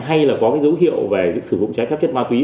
hay là có cái dấu hiệu về sử dụng trái phép chất ma túy